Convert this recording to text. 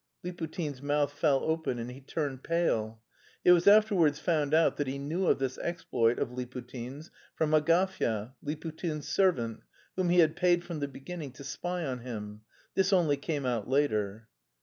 Liputin's mouth fell open and he turned pale. (It was afterwards found out that he knew of this exploit of Liputin's from Agafya, Liputin's servant, whom he had paid from the beginning to spy on him; this only came out later.)